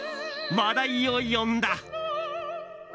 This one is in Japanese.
話題を呼んだ。